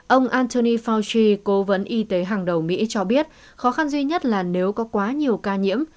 ông antony fauchi cố vấn y tế hàng đầu mỹ cho biết khó khăn duy nhất là nếu có quá nhiều ca nhiễm